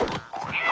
・ああ